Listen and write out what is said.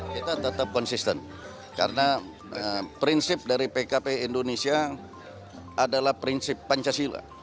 kita tetap konsisten karena prinsip dari pkp indonesia adalah prinsip pancasila